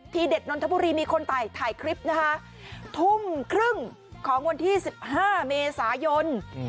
เด็ดนนทบุรีมีคนถ่ายคลิปนะคะทุ่มครึ่งของวันที่๑๕เมษายน